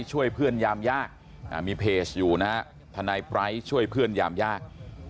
ทนายไปร้ายช่วยเพื่อนยามยาก